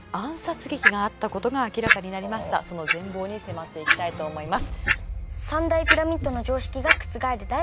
その全貌に迫っていきたいと思います。